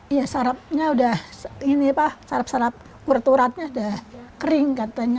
ya syarafnya udah ini pak syaraf syaraf kurat uratnya udah kering katanya